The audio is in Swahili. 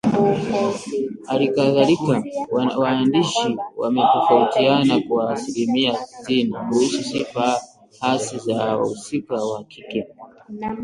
Halikadhalika, waandishi wametofautiana kwa asilimia sitini kuhusu sifa hasi za wahusika wa kike